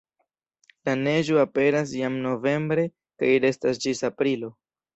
La neĝo aperas jam novembre kaj restas ĝis aprilo.